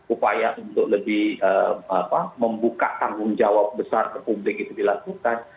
upaya untuk lebih membuka tanggung jawab besar ke publik itu dilakukan